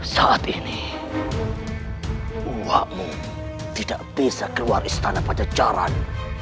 saat ini uhamu tidak bisa keluar istana pada jalan